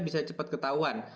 bisa cepat ketahuan